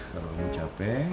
kalau kamu capek